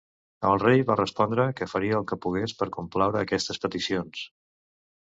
El rei va respondre que faria el que pogués per complaure aquestes peticions.